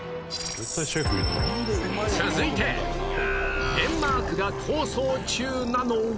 続いてデンマークが構想中なのは